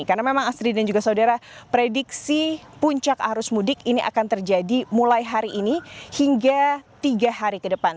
karena memang asri dan juga saudara prediksi puncak arus mudik ini akan terjadi mulai hari ini hingga tiga hari ke depan